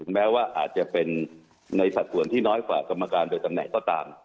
แม้ว่าอาจจะเป็นในสัดส่วนที่น้อยกว่ากรรมการโดยตำแหน่งก็ตาม